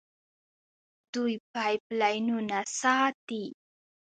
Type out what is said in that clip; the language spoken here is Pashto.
دوی پایپ لاینونه ساتي.